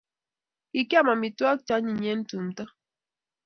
Kikiam amitwogik che anyiny eng tumto